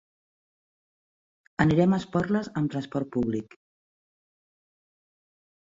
Anirem a Esporles amb transport públic.